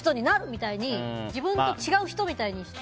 みたいに自分と違う人になるみたいに。